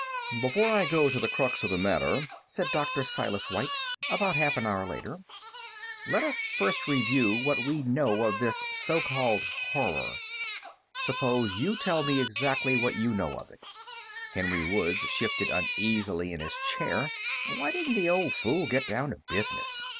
"Before I go to the crux of the matter," said Dr. Silas White, about half an hour later, "let us first review what we know of this so called Horror. Suppose you tell me exactly what you know of it." Henry Woods shifted uneasily in his chair. Why didn't the old fool get down to business?